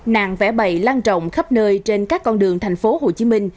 nàng vẽ bầy lan trọng khắp nơi trên các con đường thành phố hồ chí minh